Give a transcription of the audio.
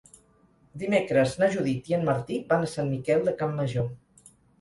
Dimecres na Judit i en Martí van a Sant Miquel de Campmajor.